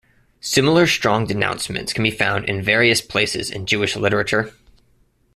Similar strong denouncements can be found in various places in Jewish literature.